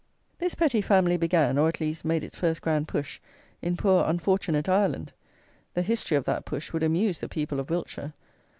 This Petty family began, or, at least, made its first grand push, in poor, unfortunate Ireland! The history of that push would amuse the people of Wiltshire!